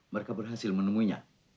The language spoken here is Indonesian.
mereka berhasil menemunya